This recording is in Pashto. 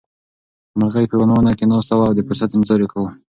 مرغۍ په یوه ونه کې ناسته وه او د فرصت انتظار یې کاوه.